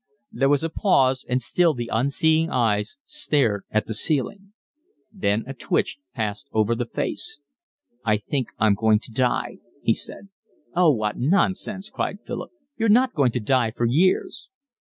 There was a pause, and still the unseeing eyes stared at the ceiling. Then a twitch passed over the face. "I think I'm going to die," he said. "Oh, what nonsense!" cried Philip. "You're not going to die for years."